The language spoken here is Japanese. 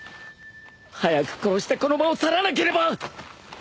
早く殺してこの場を去らなければ！